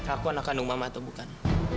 aku anak kandung mama atau bukan